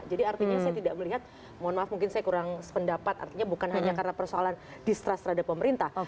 jadi artinya saya tidak melihat mohon maaf mungkin saya kurang sependapat artinya bukan hanya karena persoalan distrust terhadap pemerintah